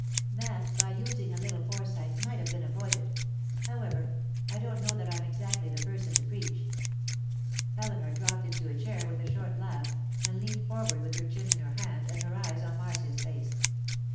That, by using a little foresight, might have been avoided. However, I don't know that I'm exactly the person to preach.' Eleanor dropped into a chair with a short laugh, and leaned forward with her chin in her hand and her eyes on Marcia's face.